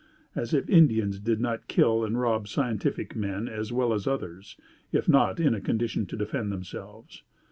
as if Indians did not kill and rob scientific men as well as others if not in a condition to defend themselves.